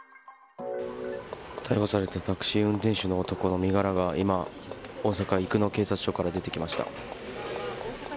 逮捕されたタクシー運転手の男の身柄が大阪生野警察署から出てきました。